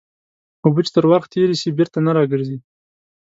اوبه چې تر ورخ تېري سي بېرته نه راګرځي.